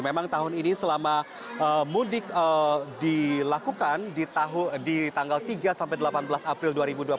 memang tahun ini selama mudik dilakukan di tanggal tiga sampai delapan belas april dua ribu dua puluh